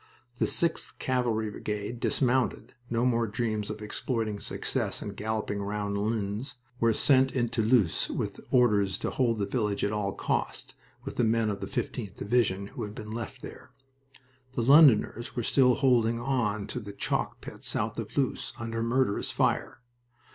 The 6th Cavalry Brigade dismounted no more dreams of exploiting success and galloping round Lens were sent into Loos with orders to hold the village at all cost, with the men of the 15th Division, who had been left there. The Londoners were still holding on to the chalk pit south of Loos, under murderous fire.